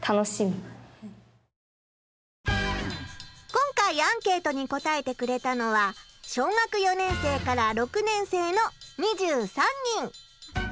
今回アンケートに答えてくれたのは小学４年生から６年生の２３人。